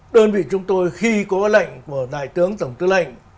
đơn vị chúng tôi khi có lệnh của đại tướng tổng tư lệnh